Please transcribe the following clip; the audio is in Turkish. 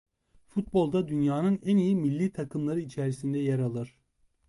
Futbolda dünyanın en iyi millî takımları içerisinde yer alır.